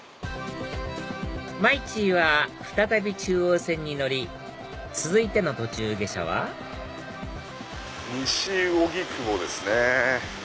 マイチーは再び中央線に乗り続いての途中下車は西荻窪ですね。